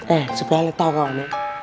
eh supaya om tahu kawan